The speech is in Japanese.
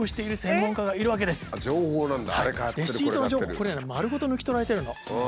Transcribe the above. これ丸ごと抜き取られてるの。